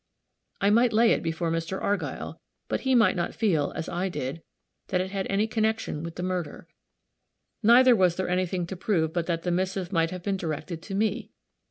I might lay it before Mr. Argyll, but he might not feel, as I did, that it had any connection with the murder, neither was there anything to prove but that the missive might have been directed to me.